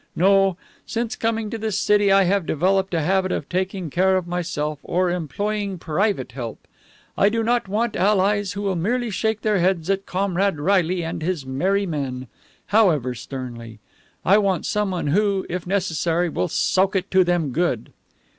No; since coming to this city I have developed a habit of taking care of myself, or employing private help. I do not want allies who will merely shake their heads at Comrade Reilly and his merry men, however sternly. I want someone who, if necessary, will soak it to them good."